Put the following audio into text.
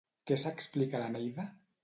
Què s'explica a l'Eneida?